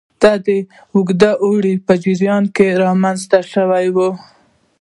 دا د اوږده اوړي په جریان کې رامنځته شوي وو